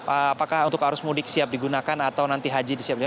apakah untuk arus mudik siap digunakan atau nanti haji disiapkan